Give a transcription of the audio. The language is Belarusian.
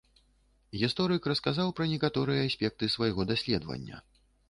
Гісторык расказаў пра некаторыя аспекты свайго даследавання.